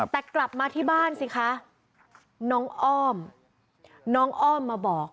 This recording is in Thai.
แต่กลับมาที่บ้านสิคะน้องอ้อมน้องอ้อมมาบอก